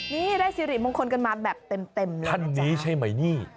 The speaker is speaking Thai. นี่ได้สิริมงคลกันมาแบบเต็มเลยท่านนี้ใช่ไหมนี่